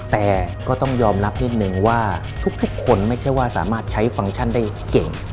แต่ก็ต้องยอมรับนิดนึงว่าทุกคนไม่ใช่ว่าสามารถใช้ฟังก์ชันได้เก่ง